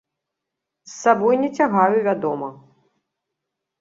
З сабой не цягаю, вядома.